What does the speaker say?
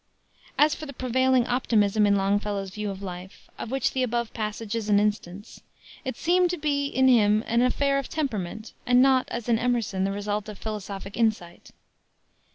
As for the prevailing optimism in Longfellow's view of life of which the above passage is an instance it seemed to be in him an affair of temperament, and not, as in Emerson, the result of philosophic insight.